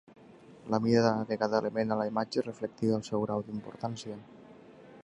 La mida de cada element a la imatge reflectia el seu grau d'importància.